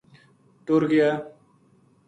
ٹر گیا